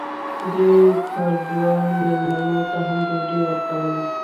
دوی پردو مېلمنو ته هم ډوډۍ ورکوله.